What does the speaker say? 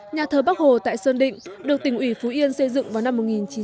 nhà thờ bác hồ tại sơn định được tỉnh ủy phú yên xây dựng vào năm một nghìn chín trăm sáu mươi chín